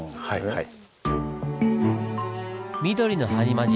はい。